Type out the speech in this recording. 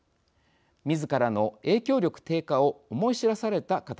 みずからの影響力低下を思い知らされた形です。